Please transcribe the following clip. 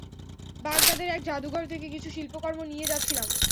বাগদাদের এক যাদুঘর থেকে কিছু শিল্পকর্ম নিয়ে যাচ্ছিলাম।